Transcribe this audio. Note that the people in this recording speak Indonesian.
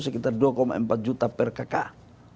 sekitar dua empat juta per kakak